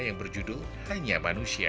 yang berjudul hanya manusia